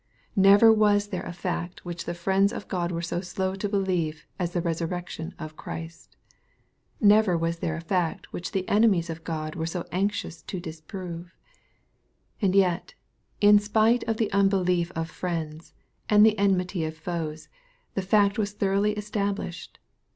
Never was there a fact which the friends of God were so slow to believe, as the resurrection of Christ. Never was there a fact which the enemies of God were so anxious to disprove. And yet, in spite of the unbelief of friends, and the enmity of foes, the fact was thoroughly estab lished.